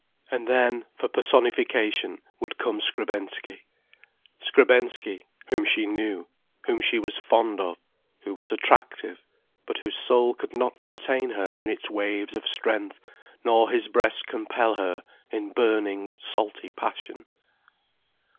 And then, for personification, would come Skrebensky, Skrebensky, whom she knew, whom she was fond of, who was attractive, but whose soul could not contain her in its waves of strength, nor his breast compel her in burning, salty passion.